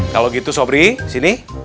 kalau gitu sobri sini